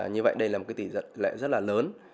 như vậy đây là một cái tỷ lệ rất là lớn